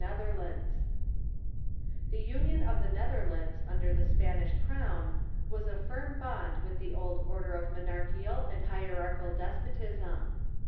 ] The union of the Netherlands under the Spanish crown was a firm bond with the old order of monarchical and hierar chical despotism.